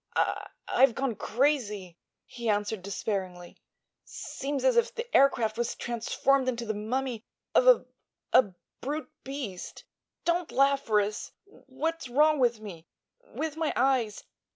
"I—I've gone crazy!" he answered, despairingly. "Seems as if the aircraft was transformed into the mummy of a—a—brute beast! Don't laugh, Ris. Wh—what's wrong with me—with my eyes?